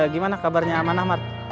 gimana kabarnya amanah mart